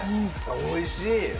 おいしい！